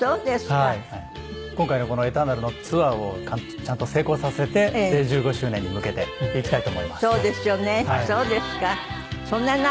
今回の「Ｅｔｅｒｎａｌ」のツアーをちゃんと成功させて１５周年に向けてやっていきたいと思います。